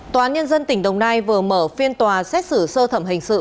tòa án nhân dân tỉnh đồng nai vừa mở phiên tòa xét xử sơ thẩm hình sự